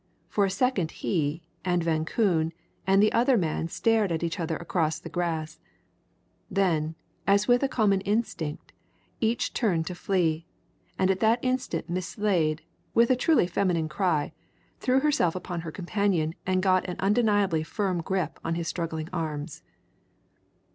For a second he, and Van Koon, and the other man stared at each other across the grass; then, as with a common instinct, each turned to flee and at that instant Miss Slade, with a truly feminine cry, threw herself upon her companion and got an undeniably firm grip on his struggling arms.